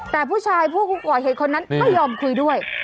แต่ผู้ชายผู้ก่อเหตุคนนั้นไม่ยอมคุยด้วย